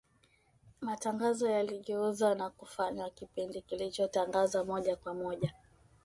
matangazo yaligeuzwa na kufanywa kipindi kilichotangazwa moja kwa moja